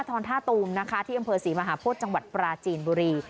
อทรท่าตูมที่อำเภอ๔มหาพฤติจังหวัดปราจีนบุรี